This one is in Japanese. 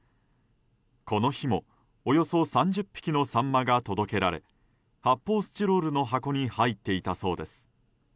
この日もおよそ３０匹のサンマが届けられ発泡スチロールの箱に入っていたそうです。